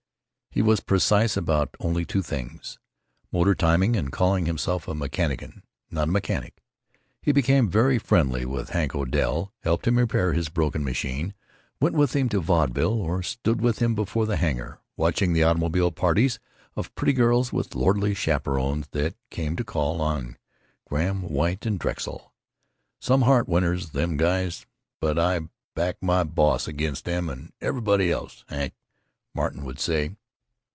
He was precise about only two things—motor timing and calling himself a "mechanician," not a "mechanic." He became very friendly with Hank Odell; helped him repair his broken machine, went with him to vaudeville, or stood with him before the hangar, watching the automobile parties of pretty girls with lordly chaperons that came to call on Grahame White and Drexel. "Some heart winners, them guys, but I back my boss against them and ev'body else, Hank," Martin would say.